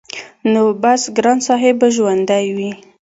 نو بس ګران صاحب به ژوندی وي-